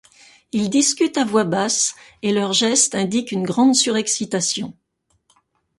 Ils discutent à voix basse, et leurs gestes indiquent une grande surexcitation.